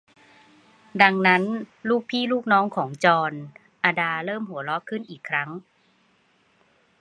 ดังนั้น ลูกพี่ลูกน้องจอร์น อดาเริ่มหัวเราะขึ้นอีกครั้ง